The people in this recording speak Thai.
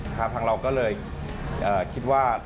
ทางเราก็เลยคิดว่า